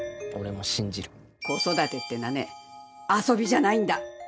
子育てってのはね遊びじゃないんだ。